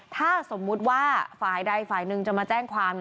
ถ้าสมมุติว่าฝ่ายใดฝ่ายหนึ่งจะมาแจ้งความ